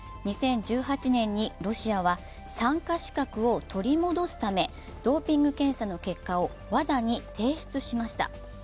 ２０１８年にロシアは参加資格を取り戻すため、ドーピング検査の結果をＷＡＤＡに提出しました。